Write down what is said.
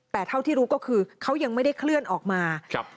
แต่เท่าที่รู้ก็คือเขายังไม่ได้เคลื่อนออกมาครับ